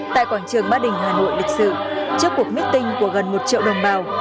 tại quảng trường ba đình hà nội lịch sử trước cuộc meeting của gần một triệu đồng bào